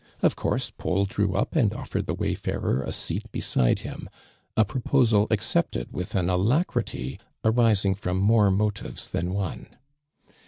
Of course Paul drew up and offered the wayfarer a seat beside him, a proposal ac cej)ted with an alacrity arising from more motives than one.